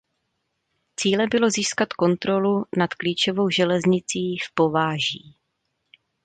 Cílem bylo získat kontrolu nad klíčovou železnicí v Pováží.